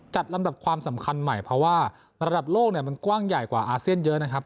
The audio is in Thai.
ลำดับความสำคัญใหม่เพราะว่าระดับโลกเนี่ยมันกว้างใหญ่กว่าอาเซียนเยอะนะครับ